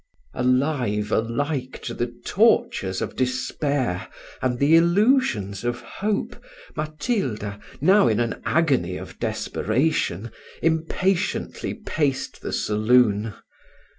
Alive alike to the tortures of despair and the illusions of hope, Matilda, now in an agony of desperation, impatiently paced the saloon.